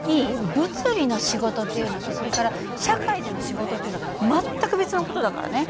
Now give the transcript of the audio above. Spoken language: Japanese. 物理の仕事っていうのとそれから社会での仕事っていうのは全く別の事だからね。